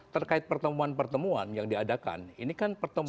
terkait pertemuan pertemuan yang diadakan ini kan pertemuan